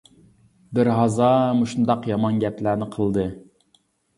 بىر ھازا مۇشۇنداق يامان گەپلەرنى قىلدى.